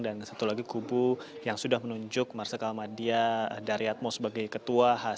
dan satu lagi kubu yang sudah menunjuk marsya kalamadiyah daryatmo sebagai ketua